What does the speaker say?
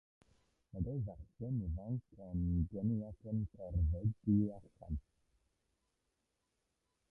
Mae dau fachgen ifanc yn gwenu ac yn cerdded tu allan.